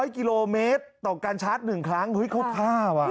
๐กิโลเมตรต่อการชาร์จ๑ครั้งเฮ้ยเขาท่าว่ะ